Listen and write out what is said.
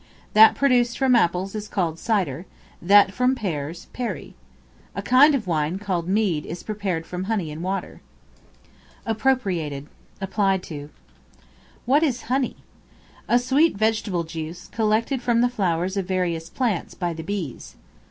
That produced from Apples is called Cider; that from Pears, Perry. A kind of wine, called Mead, is prepared from honey and water. Appropriated, applied to. What is Honey? A sweet vegetable juice, collected from the flowers of various plants by the bees.